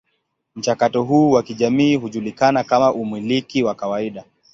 Mchakato huu wa kijamii hujulikana kama umiliki wa kawaida.